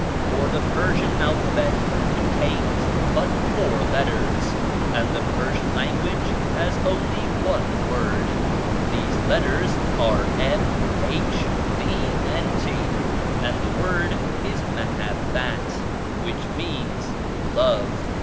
For the Persian alpha bet contains but four letters and the Persian language has only one word. These letters are *'m," "h," "b," and "t," and the word is "Mu habbat," which means "love."